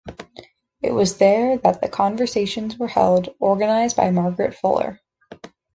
It was there that the "Conversations" were held, organized by Margaret Fuller.